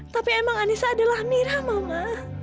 tapi emang anissa adalah mirha mama